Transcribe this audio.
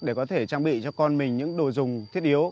để có thể trang bị cho con mình những đồ dùng thiết yếu